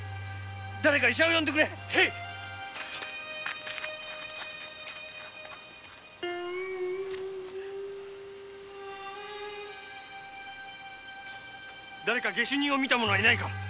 だれか医者を呼んで来てくれ下手人を見た者はいないか！